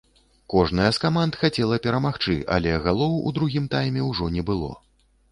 Кожная з каманд хацела перамагчы, але галоў у другім тайме ўжо не было.